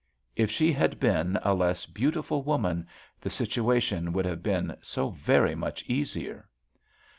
If she had been a less beautiful woman the situation would have been so very much easier.